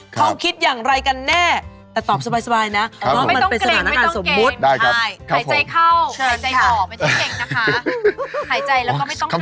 เขาคิดอย่างไรกันแน่แต่ตอบสบายนะเพราะมันเป็นสถานการณ์สมบุติใช่หายใจเข้าหายใจออกไม่ต้องเก่งนะคะ